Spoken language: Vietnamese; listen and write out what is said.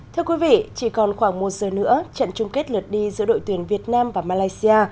thưa quý vị chỉ còn khoảng một giờ nữa trận chung kết lượt đi giữa đội tuyển việt nam và malaysia